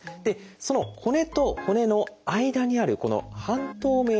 その骨と骨の間にあるこの半透明の部分